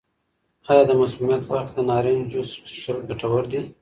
آیا د مسمومیت په وخت کې د نارنج جوس څښل ګټور دي؟